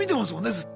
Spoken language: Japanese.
ずっと。